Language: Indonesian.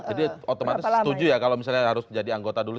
jadi otomatis setuju ya kalau misalnya harus jadi anggota dulu